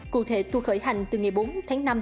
cụ thể tu khởi hành từ ngày bốn tháng năm